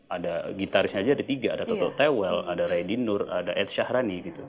ada gitarisnya aja ada tiga ada toto tewel ada redi nur ada ed syahrani gitu